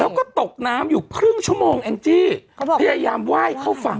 แล้วก็ตกน้ำอยู่ครึ่งชั่วโมงแองจี้พยายามไหว้เข้าฝั่ง